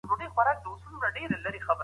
عمل مو پاکيږي.